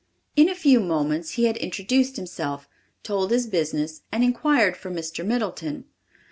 In a few moments he had introduced himself, told his business and inquired for Mr. Middleton.